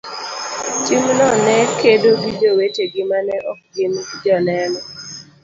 timno ne kedo gi jowetegi ma ne ok gin Joneno.